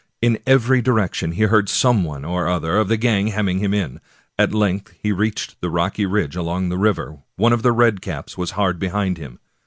In every direction he heard some one or other of the gang hemming him in. At length he reached the rocky ridge along the river ; one of the red caps was hard behind him.